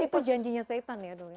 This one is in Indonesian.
itu janjinya syaitan ya